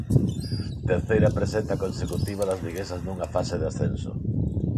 Terceira presenza consecutiva das viguesas nunha fase de ascenso.